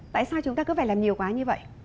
tại sao chúng ta cứ phải làm nhiều quá như vậy